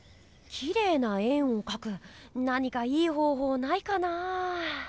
きれいな円をかく何かいい方ほうないかなぁ？